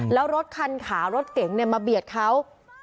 แล้วรถคันขารถเก่งเนี่ยมาเบียดเขา